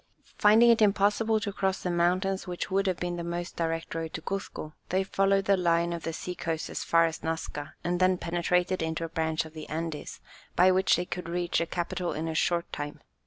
Finding it impossible to cross the mountains which would have been the most direct road to Cuzco, they followed the line of the sea coast as far as Nasca, and then penetrated into a branch of the Andes, by which they could reach the capital in a short time.